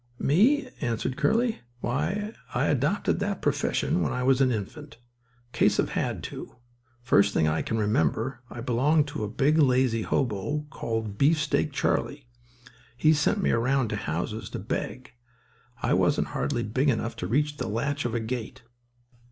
"Me?" answered Curly. "Why, I adopted that profession when I was an infant. Case of had to. First thing I can remember, I belonged to a big, lazy hobo called Beefsteak Charley. He sent me around to houses to beg. I wasn't hardly big enough to reach the latch of a gate."